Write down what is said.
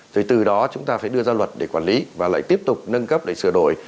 thì từ đó chúng ta phải đưa ra luật để quản lý và lại tiếp tục nâng cấp để sửa đổi